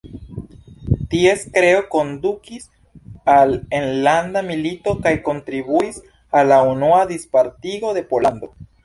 Ties kreo kondukis al enlanda milito kaj kontribuis al la Unua Dispartigo de Pollando.